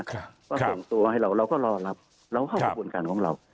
ก็ส่งตัวให้เราเราก็รอรับเราเข้ากระบวนการของเรา